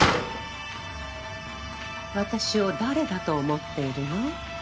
私を誰だと思っているの？